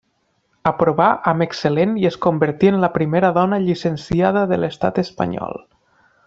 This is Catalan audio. Aprovà amb excel·lent i es convertí en la primera dona llicenciada de l'Estat espanyol.